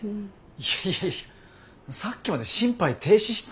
いやいやいやさっきまで心肺停止してたんだぞ。